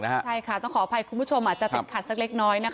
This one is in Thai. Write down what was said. แล้วก็คอบประโยชน์คุณผู้ชมที่อาจจะติดขัดแรกน้อย